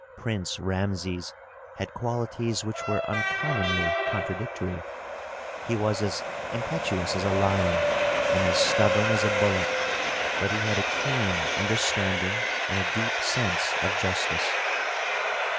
Prince Rameses had qualities which were uncommonly contradictory. He was as impetuous as a lion and as stubborn as a bullock, but he had a keen understanding and a deep sense of justice.